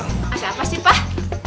asal apa sih pak